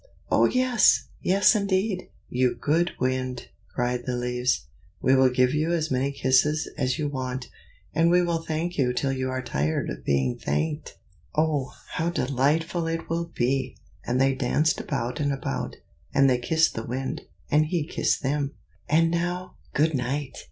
"Oh yes! yes indeed, you good Wind!" cried the leaves. "We will give you as many kisses as you want, and we will thank you till you are tired of being thanked. Oh! how delightful it will be!" and they danced about and about, and they kissed the Wind, and he kissed them. "And now, good night!"